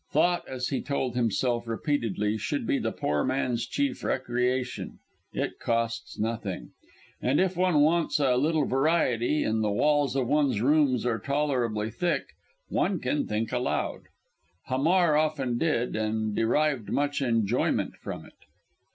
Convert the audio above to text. Thought, as he told himself repeatedly, should be the poor man's chief recreation it costs nothing: and if one wants a little variety, and the walls of one's rooms are tolerably thick, one can think aloud. Hamar often did, and derived much enjoyment from it.